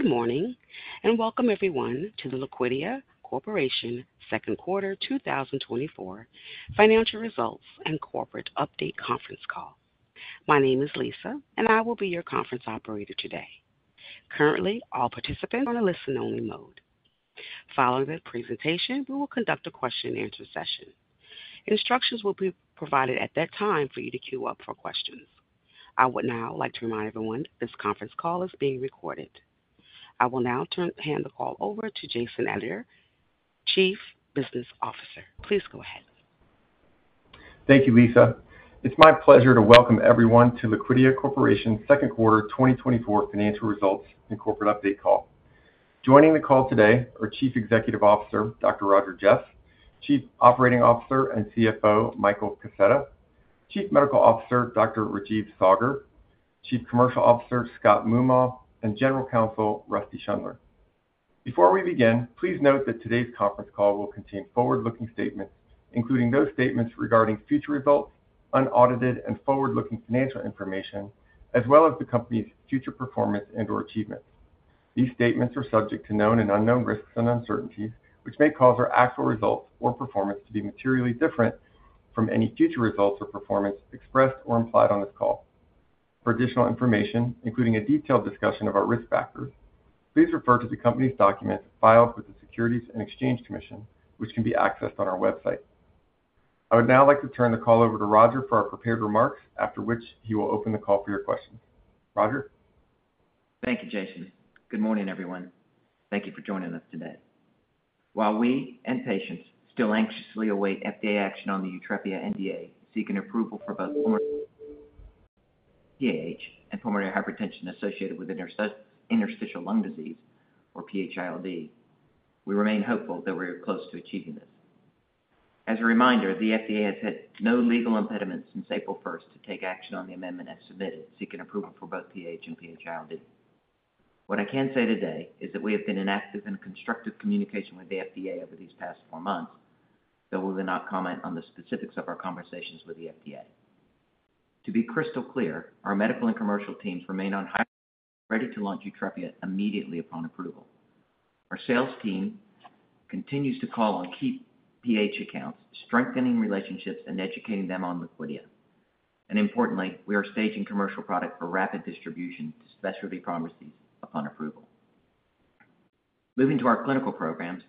Good morning and welcome everyone to the Liquidia Corporation Second Quarter 2024 Financial Results and Corporate Update Conference Call. My name is Lisa, and I will be your conference operator today. Currently, all participants are on a listen-only mode. Following the presentation, we will conduct a question-and-answer session. Instructions will be provided at that time for you to queue up for questions. I would now like to remind everyone that this conference call is being recorded. I will now hand the call over to Jason Adair, Chief Business Officer. Please go ahead. Thank you, Lisa. It's my pleasure to welcome everyone to Liquidia Corporation Second Quarter 2024 Financial Results and Corporate Update Call. Joining the call today are Chief Executive Officer Dr. Roger Jeffs, Chief Operating Officer and CFO Michael Kaseta, Chief Medical Officer Dr. Rajeev Saggar, Chief Commercial Officer Scott Moomaw, and General Counsel Rusty Schundler. Before we begin, please note that today's conference call will contain forward-looking statements, including those statements regarding future results, unaudited and forward-looking financial information, as well as the company's future performance and/or achievements. These statements are subject to known and unknown risks and uncertainties, which may cause our actual results or performance to be materially different from any future results or performance expressed or implied on this call. For additional information, including a detailed discussion of our risk factors, please refer to the company's documents filed with the Securities and Exchange Commission, which can be accessed on our website. I would now like to turn the call over to Roger for our prepared remarks, after which he will open the call for your questions. Roger. Thank you, Jason. Good morning, everyone. Thank you for joining us today. While we and patients still anxiously await FDA action on the YUTREPIA NDA seeking approval for both PAH and pulmonary hypertension associated with interstitial lung disease, or PH-ILD, we remain hopeful that we are close to achieving this. As a reminder, the FDA has had no legal impediments since April 1st to take action on the amendment as submitted, seeking approval for both PH and PH-ILD. What I can say today is that we have been in active and constructive communication with the FDA over these past four months, though we will not comment on the specifics of our conversations with the FDA. To be crystal clear, our medical and commercial teams remain ready to launch YUTREPIA immediately upon approval. Our sales team continues to call on key PH accounts, strengthening relationships and educating them on Liquidia. Importantly, we are staging commercial product for rapid distribution to specialty pharmacies upon approval. Moving to our clinical programs,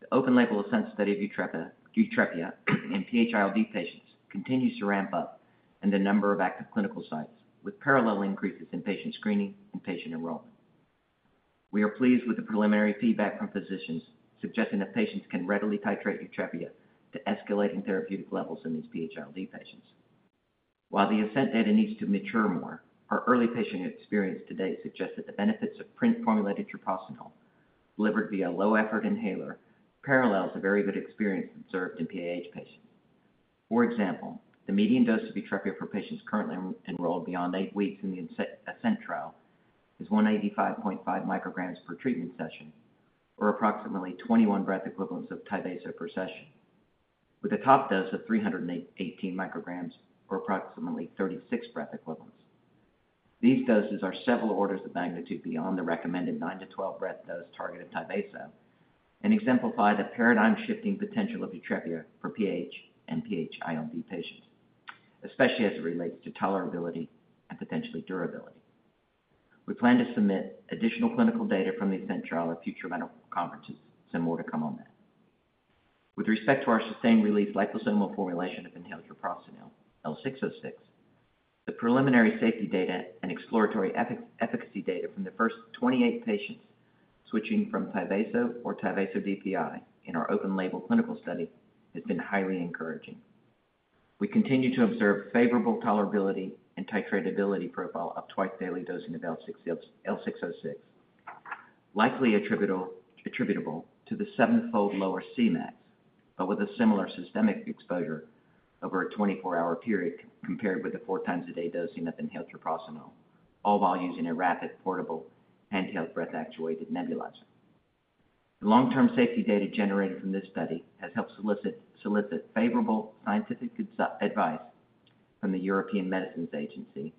the open-label ASCENT study of YUTREPIA in PH-ILD patients continues to ramp up in the number of active clinical sites, with parallel increases in patient screening and patient enrollment. We are pleased with the preliminary feedback from physicians suggesting that patients can readily titrate YUTREPIA to escalating therapeutic levels in these PH-ILD patients. While the ASCENT data needs to mature more, our early patient experience today suggests that the benefits of dry powder-formulated treprostinil, delivered via a low-effort inhaler, parallels a very good experience observed in PH patients. For example, the median dose of YUTREPIA for patients currently enrolled beyond eight weeks in the ASCENT trial is 185.5 micrograms per treatment session, or approximately 21 breath equivalents of Tyvaso per session, with a top dose of 318 micrograms, or approximately 36 breath equivalents. These doses are several orders of magnitude beyond the recommended 9-12 breath dose target of Tyvaso and exemplify the paradigm-shifting potential of YUTREPIA for PH and PH-ILD patients, especially as it relates to tolerability and potentially durability. We plan to submit additional clinical data from the ASCENT trial at future medical conferences, and more to come on that. With respect to our sustained-release liposomal formulation of inhaled treprostinil, L606, the preliminary safety data and exploratory efficacy data from the first 28 patients switching from Tyvaso or Tyvaso DPI in our open-label clinical study has been highly encouraging. We continue to observe favorable tolerability and titratability profile of twice-daily dosing of L606, likely attributable to the seven-fold lower Cmax, but with a similar systemic exposure over a 24-hour period compared with the four times-a-day dosing of inhaled treprostinil, all while using a rapid, portable, handheld breath-actuated nebulizer. The long-term safety data generated from this study has helped solicit favorable scientific advice from the European Medicines Agency,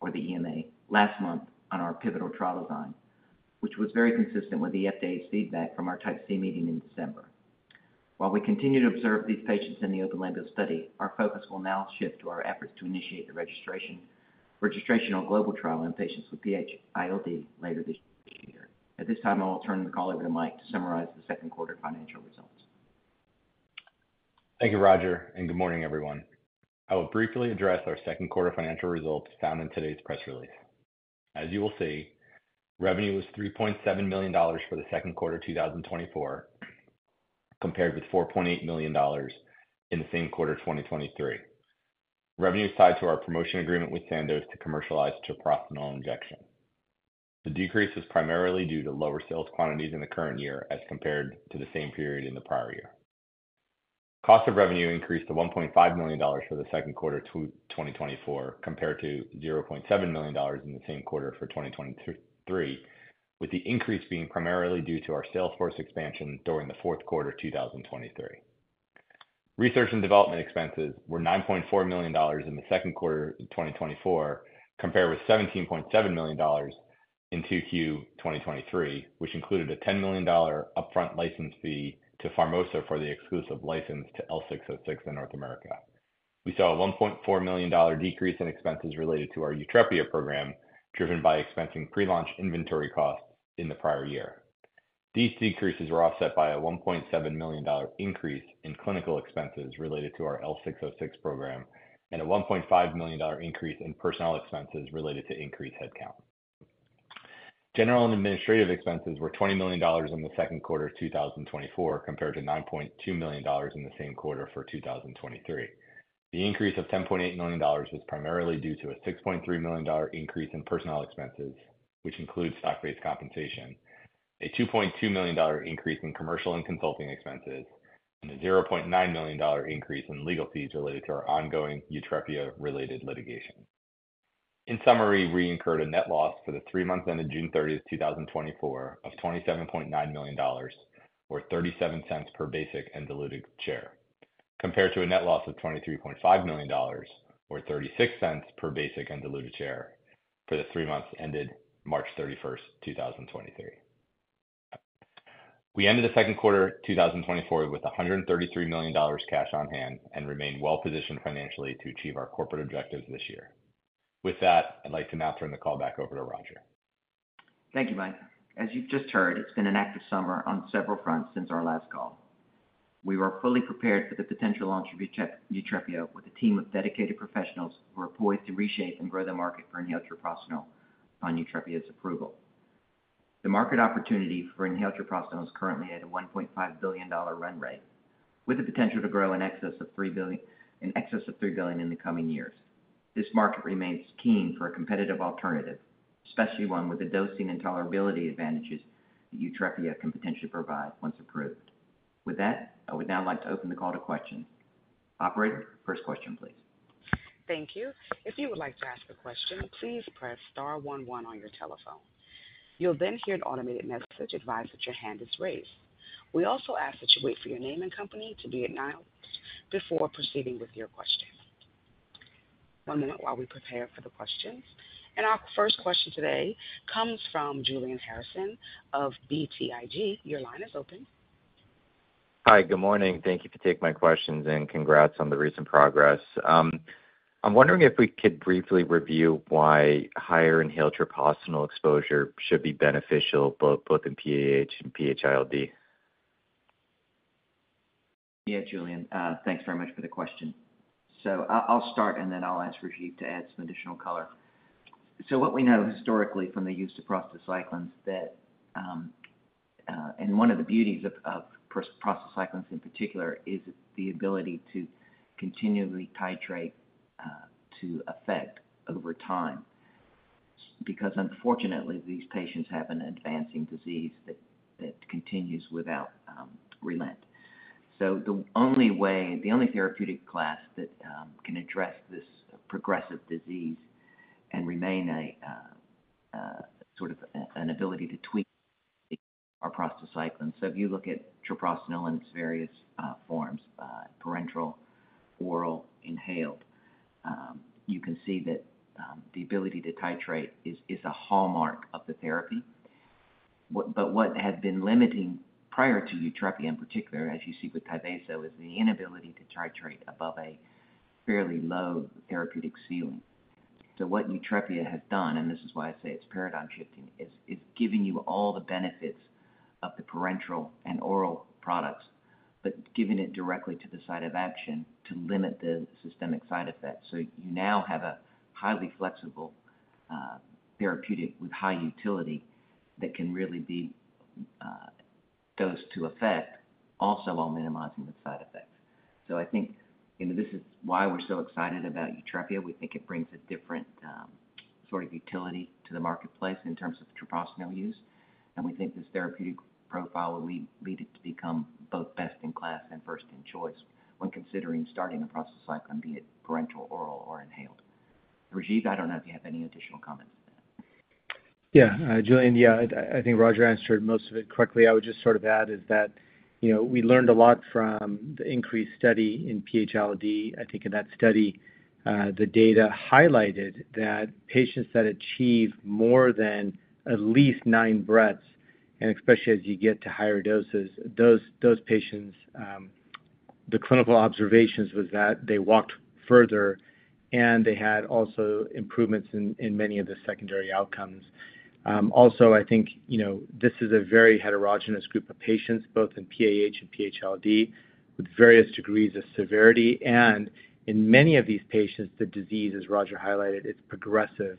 or the EMA, last month on our pivotal trial design, which was very consistent with the FDA's feedback from our Type C meeting in December. While we continue to observe these patients in the open-label study, our focus will now shift to our efforts to initiate the registrational global trial in patients with PH-ILD later this year. At this time, I will turn the call over to Mike to summarize the second quarter financial results. Thank you, Roger, and good morning, everyone. I will briefly address our second quarter financial results found in today's press release. As you will see, revenue was $3.7 million for the second quarter 2024, compared with $4.8 million in the same quarter 2023. Revenue tied to our promotion agreement with Sandoz to commercialize treprostinil injection. The decrease was primarily due to lower sales quantities in the current year as compared to the same period in the prior year. Cost of revenue increased to $1.5 million for the second quarter 2024, compared to $0.7 million in the same quarter for 2023, with the increase being primarily due to our sales force expansion during the fourth quarter 2023. Research and development expenses were $9.4 million in the second quarter 2024, compared with $17.7 million in Q2 2023, which included a $10 million upfront license fee to Pharmosa for the exclusive license to L606 in North America. We saw a $1.4 million decrease in expenses related to our YUTREPIA program, driven by expensing pre-launch inventory costs in the prior year. These decreases were offset by a $1.7 million increase in clinical expenses related to our L606 program and a $1.5 million increase in personnel expenses related to increased headcount. General and administrative expenses were $20 million in the second quarter 2024, compared to $9.2 million in the same quarter for 2023. The increase of $10.8 million was primarily due to a $6.3 million increase in personnel expenses, which includes stock-based compensation, a $2.2 million increase in commercial and consulting expenses, and a $0.9 million increase in legal fees related to our ongoing YUTREPIA-related litigation. In summary, we incurred a net loss for the three months ended June 30, 2024, of $27.9 million, or $0.37 per basic and diluted share, compared to a net loss of $23.5 million, or $0.36 per basic and diluted share, for the three months ended March 31, 2023. We ended the second quarter 2024 with $133 million cash on hand and remained well-positioned financially to achieve our corporate objectives this year. With that, I'd like to now turn the call back over to Roger. Thank you, Mike. As you've just heard, it's been an active summer on several fronts since our last call. We were fully prepared for the potential launch of YUTREPIA with a team of dedicated professionals who are poised to reshape and grow the market for inhaled treprostinil upon YUTREPIA's approval. The market opportunity for inhaled treprostinil is currently at a $1.5 billion run rate, with the potential to grow in excess of $3 billion in the coming years. This market remains keen for a competitive alternative, especially one with the dosing and tolerability advantages that YUTREPIA can potentially provide once approved. With that, I would now like to open the call to questions. Operator, first question, please. Thank you. If you would like to ask a question, please press star 11 on your telephone. You'll then hear an automated message advise that your hand is raised. We also ask that you wait for your name and company to be acknowledged before proceeding with your question. One moment while we prepare for the questions. Our first question today comes from Julian Harrison of BTIG. Your line is open. Hi, good morning. Thank you for taking my questions and congrats on the recent progress. I'm wondering if we could briefly review why higher inhaled treprostinil exposure should be beneficial both in PH and PH-ILD. Yeah, Julian, thanks very much for the question. So I'll start, and then I'll ask Rajeev to add some additional color. So what we know historically from the use of prostacyclins that, and one of the beauties of prostacyclins in particular, is the ability to continually titrate to effect over time because, unfortunately, these patients have an advancing disease that continues without relent. So the only way, the only therapeutic class that can address this progressive disease and remain a sort of an ability to tweak our prostacyclins. So if you look at treprostinil in its various forms, parenteral, oral, inhaled, you can see that the ability to titrate is a hallmark of the therapy. But what had been limiting prior to YUTREPIA in particular, as you see with Tyvaso, is the inability to titrate above a fairly low therapeutic ceiling. So what YUTREPIA has done, and this is why I say it's paradigm-shifting, is giving you all the benefits of the parenteral and oral products, but giving it directly to the site of action to limit the systemic side effects. So you now have a highly flexible therapeutic with high utility that can really be dosed to effect also while minimizing the side effects. So I think this is why we're so excited about YUTREPIA. We think it brings a different sort of utility to the marketplace in terms of treprostinil use. And we think this therapeutic profile will lead it to become both best in class and first in choice when considering starting a prostacyclin, be it parenteral, oral, or inhaled. Rajeev, I don't know if you have any additional comments to that. Yeah, Julian, yeah, I think Roger answered most of it correctly. I would just sort of add is that we learned a lot from the increased study in PH-ILD. I think in that study, the data highlighted that patients that achieve more than at least nine breaths, and especially as you get to higher doses, those patients, the clinical observations was that they walked further, and they had also improvements in many of the secondary outcomes. Also, I think this is a very heterogeneous group of patients, both in PH and PH-ILD, with various degrees of severity. And in many of these patients, the disease, as Roger highlighted, is progressive.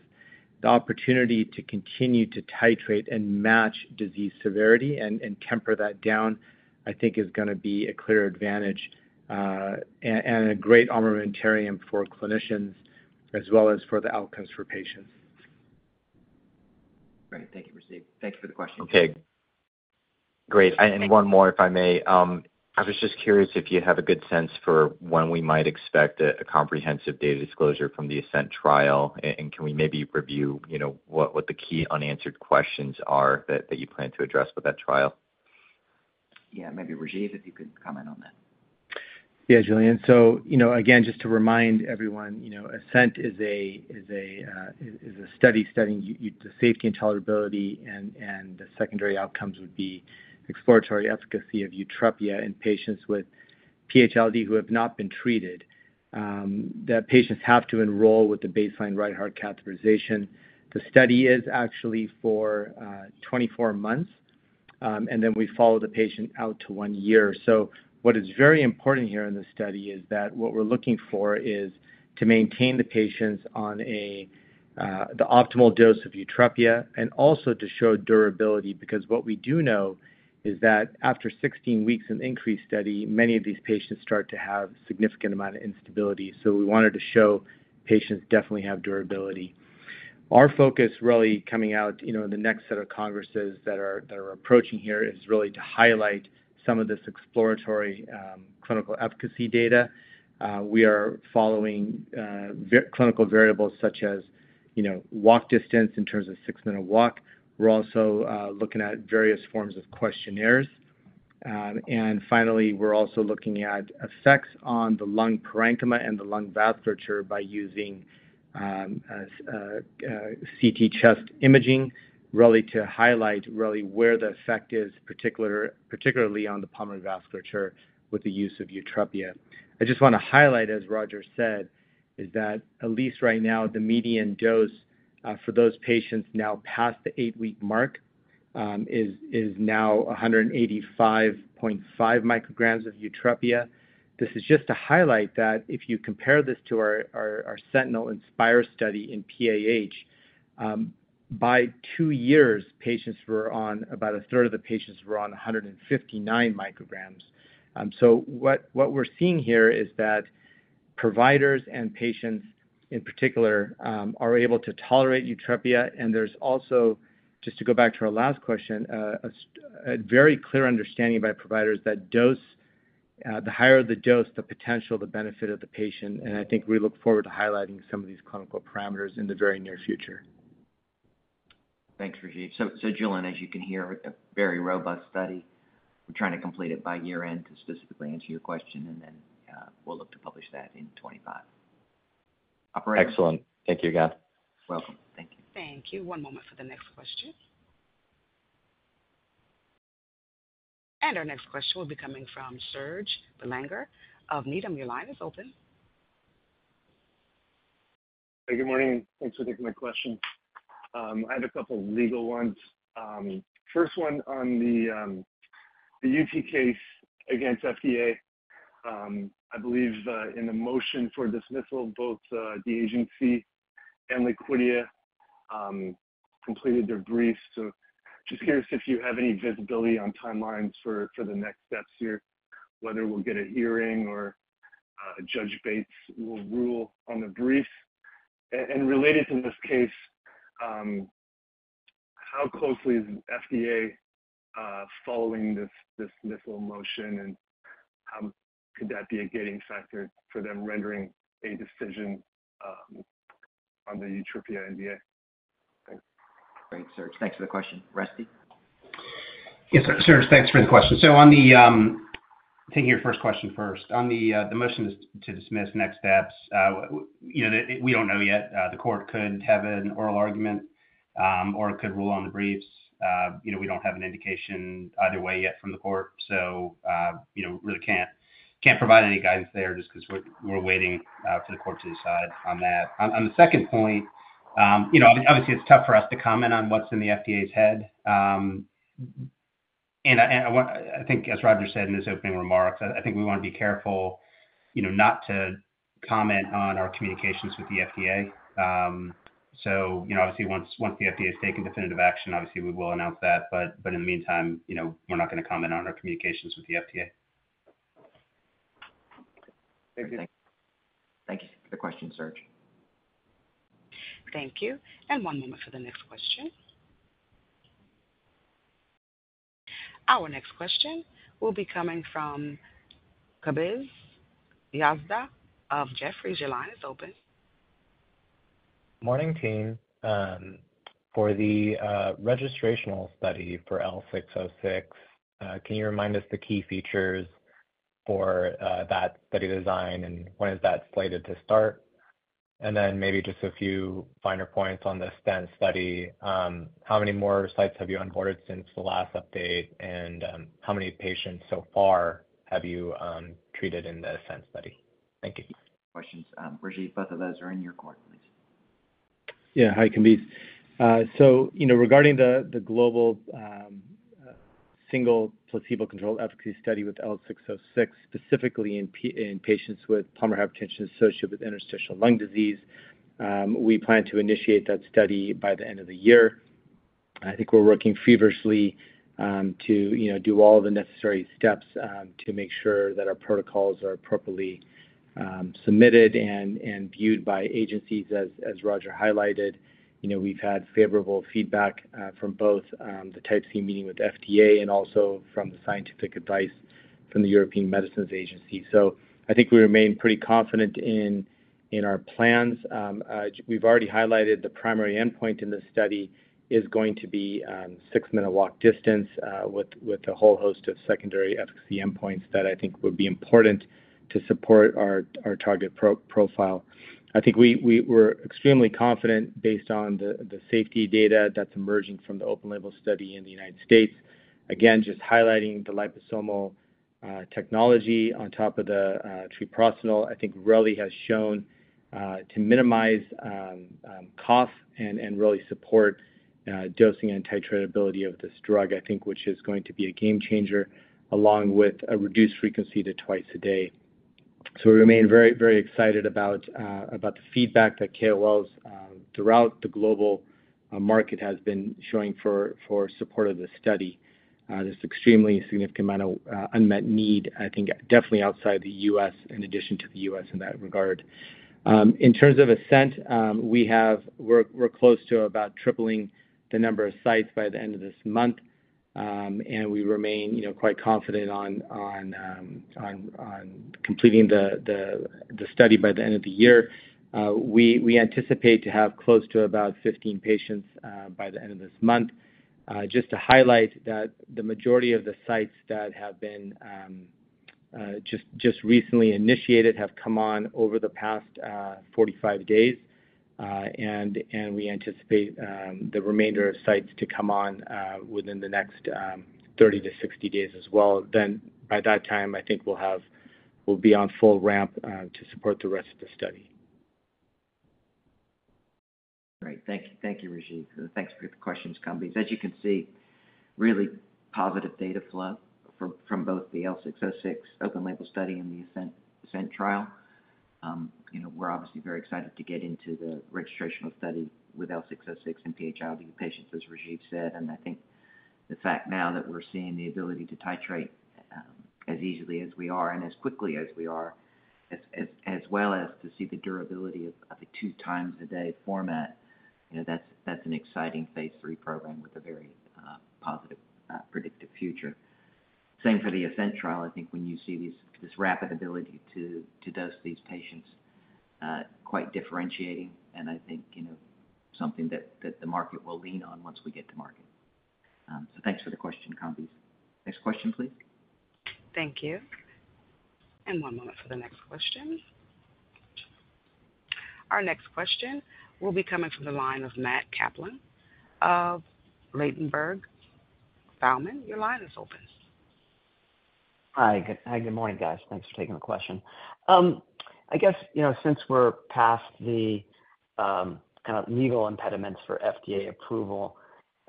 The opportunity to continue to titrate and match disease severity and temper that down, I think, is going to be a clear advantage and a great armamentarium for clinicians as well as for the outcomes for patients. Great. Thank you, Rajeev. Thank you for the question. Okay. Great. And one more, if I may. I was just curious if you have a good sense for when we might expect a comprehensive data disclosure from the ASCENT trial, and can we maybe review what the key unanswered questions are that you plan to address with that trial? Yeah, maybe Rajeev, if you could comment on that. Yeah, Julian. So again, just to remind everyone, ASCENT is a study studying the safety and tolerability, and the secondary outcomes would be exploratory efficacy of YUTREPIA in patients with PH-ILD who have not been treated. The patients have to enroll with the baseline right heart catheterization. The study is actually for 24 months, and then we follow the patient out to one year. So what is very important here in this study is that what we're looking for is to maintain the patients on the optimal dose of YUTREPIA and also to show durability because what we do know is that after 16 weeks of increased study, many of these patients start to have a significant amount of instability. So we wanted to show patients definitely have durability. Our focus really coming out in the next set of congresses that are approaching here is really to highlight some of this exploratory clinical efficacy data. We are following clinical variables such as walk distance in terms of six-minute walk. We're also looking at various forms of questionnaires. And finally, we're also looking at effects on the lung parenchyma and the lung vasculature by using CT chest imaging really to highlight really where the effect is, particularly on the pulmonary vasculature with the use of YUTREPIA. I just want to highlight, as Roger said, is that at least right now, the median dose for those patients now past the 8-week mark is now 185.5 micrograms of YUTREPIA. This is just to highlight that if you compare this to our seminal INSPIRE study in PAH, by 2 years, patients were on about a third of the patients were on 159 micrograms. What we're seeing here is that providers and patients in particular are able to tolerate YUTREPIA. There's also, just to go back to our last question, a very clear understanding by providers that the higher the dose, the potential, the benefit of the patient. I think we look forward to highlighting some of these clinical parameters in the very near future. Thanks, Rajeev. So Julian, as you can hear, a very robust study. We're trying to complete it by year-end to specifically answer your question, and then we'll look to publish that in 2025. Excellent. Thank you again. You're welcome. Thank you. Thank you. One moment for the next question. Our next question will be coming from Serge Belanger of Needham. Your line is open. Good morning. Thanks for taking my question. I have a couple of legal ones. First one on the UT case against FDA. I believe in the motion for dismissal, both the agency and Liquidia completed their briefs. So just curious if you have any visibility on timelines for the next steps here, whether we'll get a hearing or Judge Bates will rule on the briefs. And related to this case, how closely is FDA following this dismissal motion, and how could that be a gating factor for them rendering a decision on the YUTREPIA NDA? Thanks. Thanks, Serge. Thanks for the question. Rusty? Yes, Serge. Thanks for the question. So taking your first question first, on the motion to dismiss next steps, we don't know yet. The court could have an oral argument or could rule on the briefs. We don't have an indication either way yet from the court. So really can't provide any guidance there just because we're waiting for the court to decide on that. On the second point, obviously, it's tough for us to comment on what's in the FDA's head. And I think, as Roger said in his opening remarks, I think we want to be careful not to comment on our communications with the FDA. So obviously, once the FDA has taken definitive action, obviously, we will announce that. But in the meantime, we're not going to comment on our communications with the FDA. Thank you. Thank you. Thank you for the question, Serge. Thank you. One moment for the next question. Our next question will be coming from Kambiz Yazdi of Jefferies. Your line is open. Morning, team. For the registrational study for L606, can you remind us the key features for that study design, and when is that slated to start? Then maybe just a few finer points on the ASCENT study. How many more sites have you onboarded since the last update, and how many patients so far have you treated in the ASCENT study? Thank you. Questions. Rajeev, both of those are in your court, please. Yeah, hi, Kambiz. So regarding the global single placebo-controlled efficacy study with L606, specifically in patients with pulmonary hypertension associated with interstitial lung disease, we plan to initiate that study by the end of the year. I think we're working feverishly to do all the necessary steps to make sure that our protocols are appropriately submitted and viewed by agencies, as Roger highlighted. We've had favorable feedback from both the type C meeting with FDA and also from the scientific advice from the European Medicines Agency. So I think we remain pretty confident in our plans. We've already highlighted the primary endpoint in this study is going to be six-minute walk distance with a whole host of secondary efficacy endpoints that I think would be important to support our target profile. I think we're extremely confident based on the safety data that's emerging from the open-label study in the United States. Again, just highlighting the liposomal technology on top of the treprostinil, I think really has shown to minimize cough and really support dosing and titratability of this drug, I think, which is going to be a game changer along with a reduced frequency to twice a day. So we remain very, very excited about the feedback that KOLs throughout the global market have been showing for support of this study. There's an extremely significant amount of unmet need, I think, definitely outside the U.S., in addition to the U.S. in that regard. In terms of ASCENT, we're close to about tripling the number of sites by the end of this month, and we remain quite confident on completing the study by the end of the year. We anticipate to have close to about 15 patients by the end of this month. Just to highlight that the majority of the sites that have been just recently initiated have come on over the past 45 days, and we anticipate the remainder of sites to come on within the next 30-60 days as well. Then by that time, I think we'll be on full ramp to support the rest of the study. Great. Thank you, Rajeev. Thanks for the questions, Kambiz. As you can see, really positive data flow from both the L606 open-label study and the ASCENT trial. We're obviously very excited to get into the registrational study with L606 and PH-ILD patients, as Rajeev said. I think the fact now that we're seeing the ability to titrate as easily as we are and as quickly as we are, as well as to see the durability of a 2-times-a-day format, that's an exciting Phase 3 program with a very positive predictive future. Same for the ASCENT trial. I think when you see this rapid ability to dose these patients, quite differentiating, and I think something that the market will lean on once we get to market. So thanks for the question, Kambiz. Next question, please. Thank you. And one moment for the next question. Our next question will be coming from the line of Matt Kaplan of Ladenburg Thalmann, your line is open. Hi. Hi. Good morning, guys. Thanks for taking the question. I guess since we're past the kind of legal impediments for FDA approval,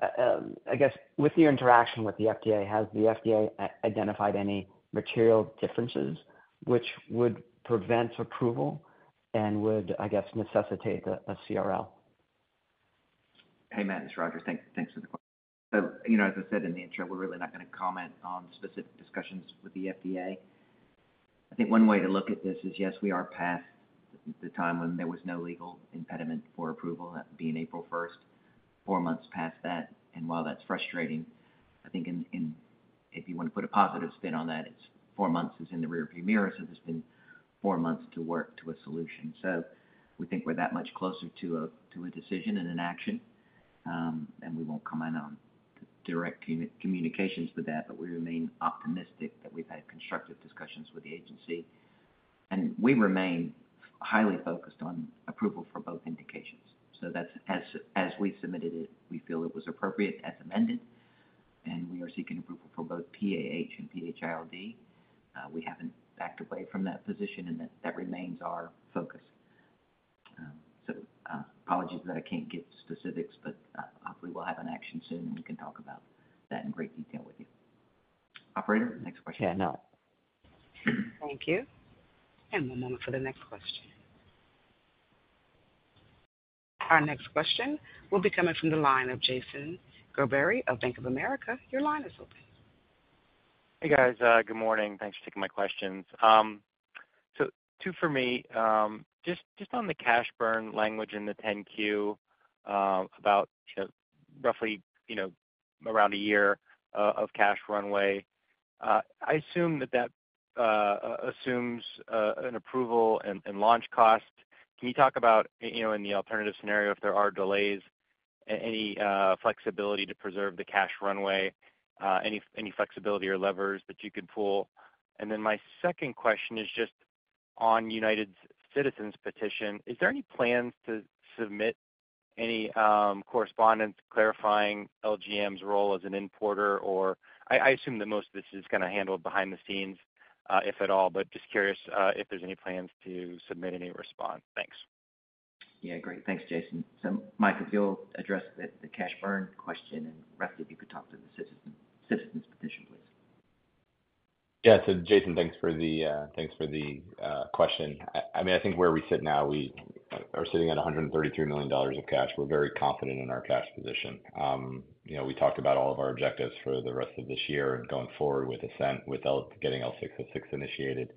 I guess with your interaction with the FDA, has the FDA identified any material differences which would prevent approval and would, I guess, necessitate a CRL? Hey, Matt, it's Roger. Thanks for the question. As I said in the intro, we're really not going to comment on specific discussions with the FDA. I think one way to look at this is, yes, we are past the time when there was no legal impediment for approval, that being April 1st, 4 months past that. And while that's frustrating, I think if you want to put a positive spin on that, it's 4 months is in the rearview mirror, so there's been 4 months to work to a solution. So we think we're that much closer to a decision and an action, and we won't comment on direct communications with that, but we remain optimistic that we've had constructive discussions with the agency. And we remain highly focused on approval for both indications. So as we submitted it, we feel it was appropriate as amended, and we are seeking approval for both PAH and PH-ILD. We haven't backed away from that position, and that remains our focus. So apologies that I can't give specifics, but hopefully we'll have an action soon, and we can talk about that in great detail with you. Operator, next question. Yeah, no. Thank you. And one moment for the next question. Our next question will be coming from the line of Jason Gerberry of Bank of America. Your line is open. Hey, guys. Good morning. Thanks for taking my questions. So two for me. Just on the cash burn language in the 10-Q about roughly around a year of cash runway, I assume that that assumes an approval and launch cost. Can you talk about in the alternative scenario, if there are delays, any flexibility to preserve the cash runway, any flexibility or levers that you could pull? And then my second question is just on United Therapeutics' Citizen Petition. Is there any plans to submit any correspondence clarifying LGM's role as an importer? Or I assume that most of this is kind of handled behind the scenes, if at all, but just curious if there's any plans to submit any response. Thanks. Yeah, great. Thanks, Jason. So Mike, if you'll address the cash burn question, and Rusty, if you could talk to the Citizen Petition, please. Yeah. So Jason, thanks for the question. I mean, I think where we sit now, we are sitting at $133 million of cash. We're very confident in our cash position. We talked about all of our objectives for the rest of this year and going forward with ASCENT with getting L606 initiated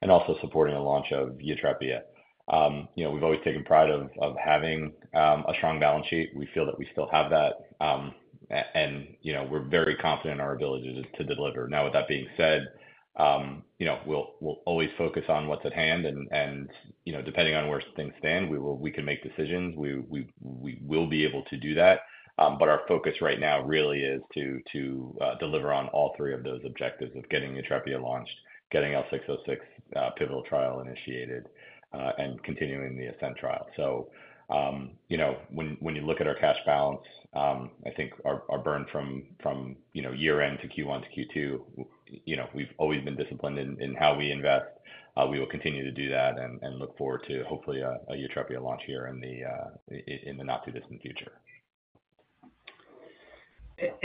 and also supporting a launch of YUTREPIA. We've always taken pride of having a strong balance sheet. We feel that we still have that, and we're very confident in our ability to deliver. Now, with that being said, we'll always focus on what's at hand, and depending on where things stand, we can make decisions. We will be able to do that, but our focus right now really is to deliver on all three of those objectives of getting YUTREPIA launched, getting L606 pivotal trial initiated, and continuing the ASCENT trial. When you look at our cash balance, I think our burn from year-end to Q1 to Q2, we've always been disciplined in how we invest. We will continue to do that and look forward to hopefully a YUTREPIA launch here in the not-too-distant future.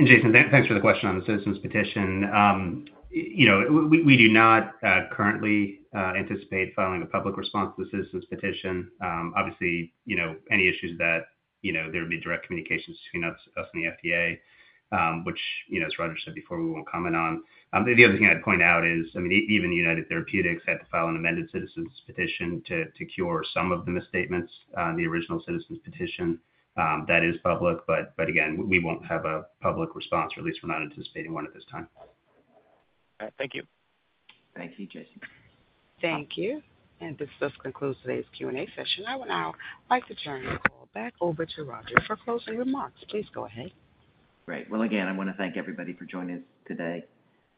Jason, thanks for the question on the Citizen Petition. We do not currently anticipate filing a public response to the Citizen Petition. Obviously, any issues that there would be direct communications between us and the FDA, which, as Roger said before, we won't comment on. The other thing I'd point out is, I mean, even United Therapeutics had to file an amended Citizen Petition to cure some of the misstatements on the original Citizen Petition. That is public, but again, we won't have a public response, or at least we're not anticipating one at this time. All right. Thank you. Thank you, Jason. Thank you. This does conclude today's Q&A session. I would now like to turn the call back over to Roger for closing remarks. Please go ahead. Great. Well, again, I want to thank everybody for joining us today.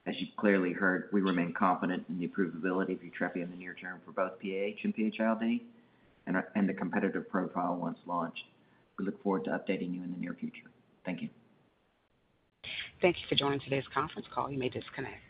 As you've clearly heard, we remain confident in the approvability of YUTREPIA in the near term for both PAH and PH-ILD and the competitive profile once launched. We look forward to updating you in the near future. Thank you. Thank you for joining today's conference call. You may disconnect.